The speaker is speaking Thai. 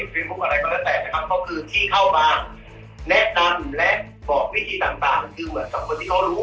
เพราะคือที่เข้ามาแนะนำและบอกวิธีต่างคือเหมือนกับคนที่เขารู้